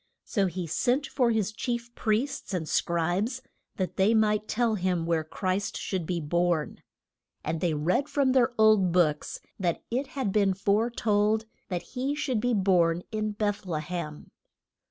So he sent for his chief priests and scribes that they might tell him where Christ should be born. And they read from their old books that it had been fore told that he should be born in Beth le hem.